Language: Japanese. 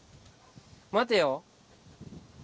待てよ。